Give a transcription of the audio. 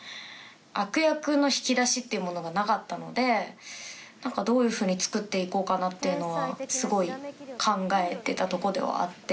悪役の引き出しっていうものがなかったのでどういうふうに作って行こうかなっていうのはすごい考えてたとこではあって。